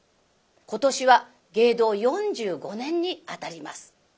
今年は芸道４５年にあたります。